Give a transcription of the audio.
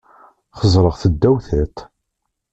Xeẓẓreɣ-t ddaw tiṭ.